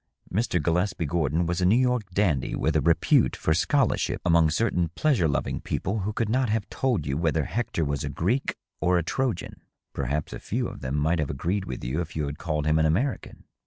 Mr. Gillespie Gordon was a New York dandy with a repute for scholarship among certain pleasure loving people who could not have told you whether Hector was a Greek or a Trojan : perhaps a few of them might have agreed with you if you had called him an American.